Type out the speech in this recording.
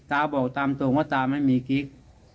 ตาบอกตามตรงว่าตาไม่มีกิ๊ก